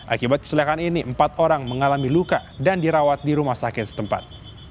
akibat kecelakaan ini empat orang mengalami luka dan dirawat di rumah sakit setempat